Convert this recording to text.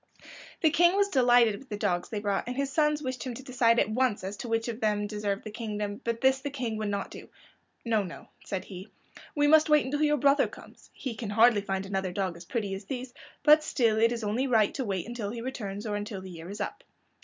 The King was delighted with the dogs they brought, and his sons wished him to decide at once as to which of them deserved the kingdom, but this the King would not do. "No, no," said he, "we must wait until your brother comes. He can hardly find another dog as pretty as these, but still it is only right to wait until he returns, or until the year is up."